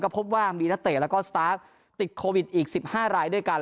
พบว่ามีนักเตะแล้วก็สตาร์ฟติดโควิดอีก๑๕รายด้วยกัน